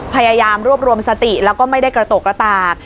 พยายามรวบรวมสติแล้วก็ไม่ได้กระตุกกระตาก